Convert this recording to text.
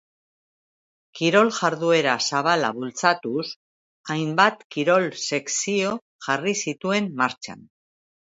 Kirol jarduera zabala bultzatuz, hainbat kirol sekzio jarri zituen martxan.